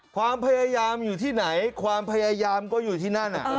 ความพยายามอยู่ที่ไหนความพยายามก็อยู่ที่นั่น